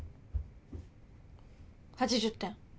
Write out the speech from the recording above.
８０点。